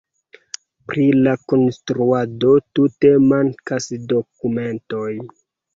Pri la konstruado tute mankas dokumentoj.